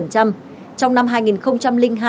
trong năm hai nghìn hai